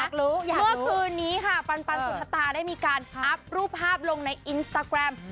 เมื่อคืนนี้ค่ะปันสุธตาได้มีการอัพรูปภาพลงในอินสตาแกรม